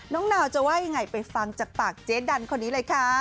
นาวจะว่ายังไงไปฟังจากปากเจ๊ดันคนนี้เลยค่ะ